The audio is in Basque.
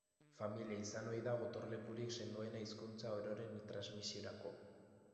Familia izan ohi da gotorlekurik sendoena hizkuntza ororen transmisiorako.